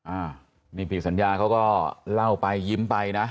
อ่านี่ผิดสัญญาเขาก็เล่าไปยิ้มไปนะ